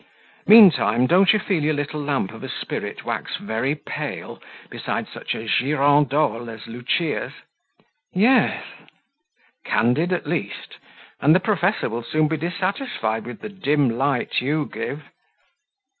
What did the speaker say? Meantime, don't you feel your little lamp of a spirit wax very pale, beside such a girandole as Lucia's?" "Yes." "Candid, at least; and the Professor will soon be dissatisfied with the dim light you give?"